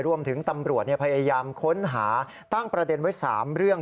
รวมถึงตำรวจพยายามค้นหาตั้งประเด็นไว้๓เรื่อง